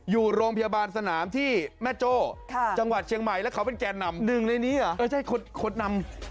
อยู่โรงพยาบาลสนามที่แม่โจจังหวัดเชียงใหม่และเขาเป็นแจนนำ